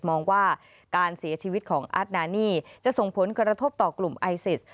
มองว่าการเสียชีวิตของอาร์ตนานี่จะส่งผลกระทบต่อกลุ่มไอซิส